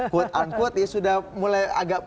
quote unquote ya sudah mulai agak